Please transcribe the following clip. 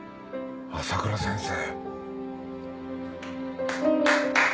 朝倉先生。